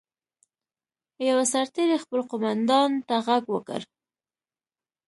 یوه سرتېري خپل قوماندان ته غږ وکړ.